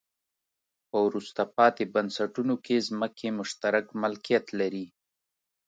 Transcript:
په وروسته پاتې بنسټونو کې ځمکې مشترک ملکیت لري.